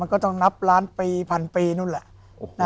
ก็ต้องนับล้านปีพันปีนู่นแหละ